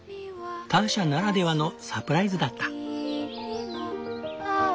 ターシャならではのサプライズだった。